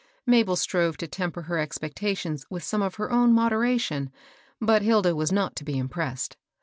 Mabel strove to temper her expectations with some of her own moderation, but Hilda was not to be impressed.